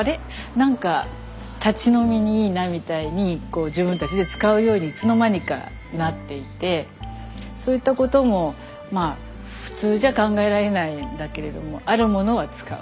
何か立ち飲みにいいなみたいに自分たちで使うようにいつの間にかなっていてそういったことも普通じゃ考えられないんだけれどもあるものは使う。